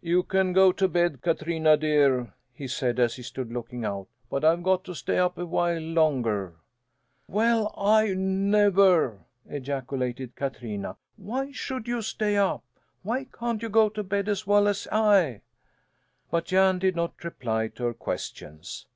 "You can go to bed, Katrina dear," he said as he stood looking out, "but I've got to stay up a while longer." "Well I never!" ejaculated Katrina. "Why should you stay up? Why can't you go to bed as well as I?" But Jan did not reply to her questions.